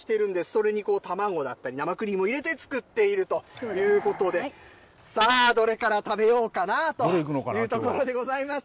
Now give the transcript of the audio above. それに卵だったり、生クリームを入れて作っているということで、さあ、どれから食べようかなというところでございます。